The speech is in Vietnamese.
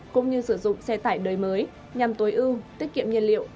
cũng như sử dụng xe tải đời mới nhằm tối ưu tiết kiệm nhiên liệu